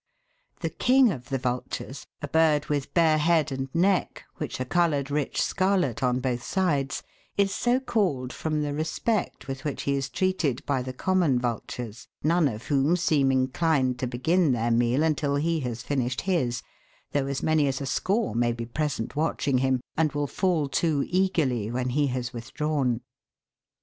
The King of the Vultures, a bird with bare head and neck, which are coloured rich scarlet on both sides, is so called from the respect with which he is treated by the common vultures, none of whom seem inclined to begin their meal until he has finished his, though as many as a score may be present watching him, and will fall to eagerly when he has withdrawn.